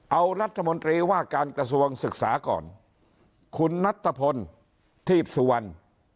เอารัฐมนตรีว่าการกระทรวงศึกษาก่อนคุณนัทพลทีพสุวรรณ